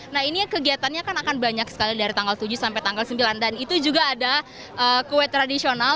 nah ini kegiatannya kan akan banyak sekali dari tanggal tujuh sampai tanggal sembilan dan itu juga ada kue tradisional